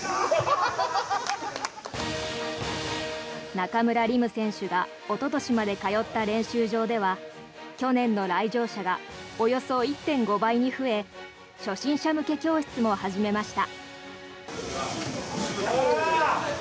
中村輪夢選手がおととしまで通った練習場では去年の来場者がおよそ１．５倍に増え初心者向け教室も始めました。